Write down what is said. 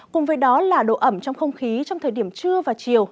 cùng với đó là độ ẩm trong không khí trong thời điểm trưa và chiều